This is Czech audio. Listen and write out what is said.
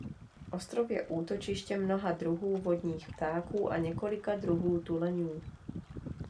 Ostrov je útočištěm mnoha druhů vodních ptáků a několika druhů tuleňů.